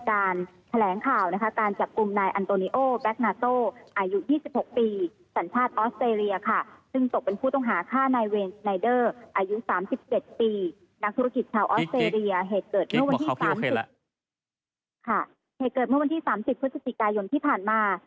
อายุ๓๗ปีนักธุรกิจชาวออสเตรียเหตุเกิดเมื่อวันที่๓๐พฤศจิกายนที่ผ่านมา